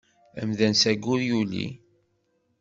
Amdan s aggur yuli.